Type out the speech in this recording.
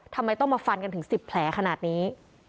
ทำไมต้องมาฟันกันถึง๑๐แผลขนาดนี้